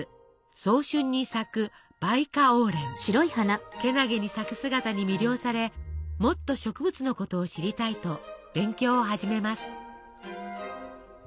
早春に咲くけなげに咲く姿に魅了されもっと植物のことを知りたいと勉強を始めます。